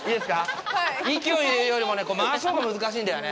息を入れるよりも回すほうが難しいんだよね。